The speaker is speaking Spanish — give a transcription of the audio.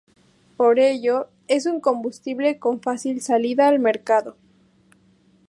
Por ello, es un combustible con fácil salida al mercado.